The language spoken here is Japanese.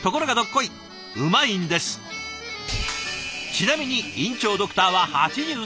「ちなみに院長ドクターは８３歳。